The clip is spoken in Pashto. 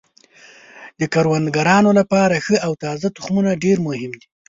د کروندګرانو لپاره ښه او تازه تخمونه ډیر مهم دي.